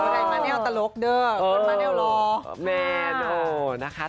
มันไม่ได้ตลกเด้อมันไม่ได้รอ